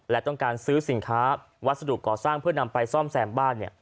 และต้องการซื้อสินค้าวัสดุก่อสร้างเพื่อนำไปซ่อมแซมบ้าน